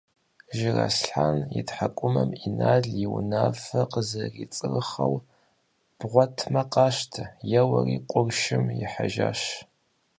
Жыраслъэн и тхьэкӀумэм Инал и унафэр къызэрицырхъэу – бгъуэтмэ къащтэ – еуэри къуршым ихьэжащ.